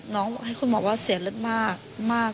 น้องให้คุณหมอว่าเสียเลขมาก